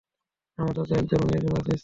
আমার চাচা একজন, উনি একজন রাজমিস্ত্রী।